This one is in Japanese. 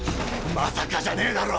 「まさか」じゃねえだろ！